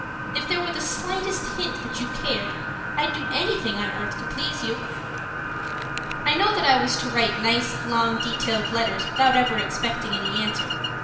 If there were the slightest hint that you cared, I'd do anything on earth to please you. I know that I was to write nice, long, detailed letters without ever expecting any answer.